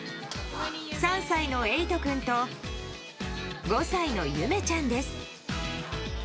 ３歳のエイト君と５歳のユメちゃんです。